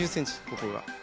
ここが。